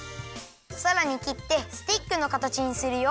さらにきってスティックのかたちにするよ！